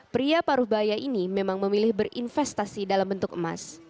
pria paruh bahaya ini memang memilih berinvestasi dalam bentuk emas